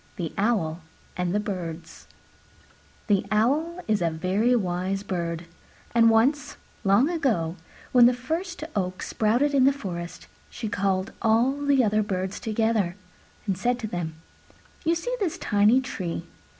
THE OWL AND THE BIRDS The Owl is a very wise bird; and once, long ago, when the first oak sprouted in the forest, she called all the other Birds together and said to them, "You see this tiny tree?